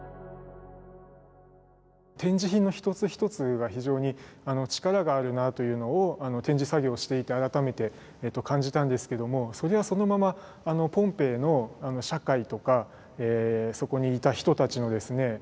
展示品の一つ一つが非常に力があるなというのを展示作業をしていて改めて感じたんですけどもそれはそのままポンペイの社会とかそこにいた人たちのですね